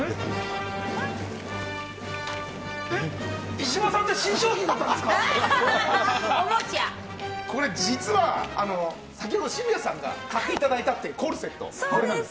石破さんって新商品だったんでこれ実は先ほど渋谷さんが買っていただいたコルセットこれです。